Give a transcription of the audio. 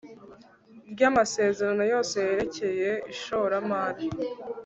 ry amasezerano yose yerekeye ishoramari